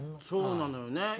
そうなのよね。